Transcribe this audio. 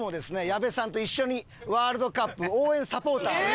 矢部さんと一緒にワールドカップ応援サポーターを。